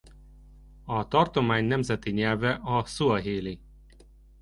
A tartomány nemzeti nyelve a szuahéli.